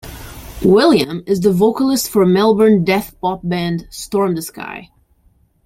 William is the vocalist for Melbourne death pop band Storm The Sky.